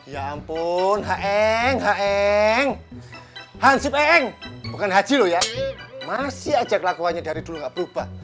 ya ampun haeng haeng hansip eng bukan haji lo ya masih ajak lakuannya dari dulu nggak berubah